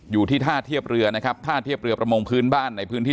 อยู่ที่ท่าเทียบเรือนะครับท่าเทียบเรือประมงพื้นบ้านในพื้นที่